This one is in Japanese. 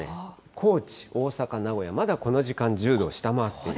高知、大阪、名古屋、まだこの時間１０度を下回っている。